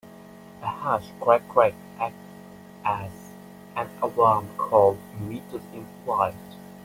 A harsh "krack-krack" acts as an alarm call emitted in flight.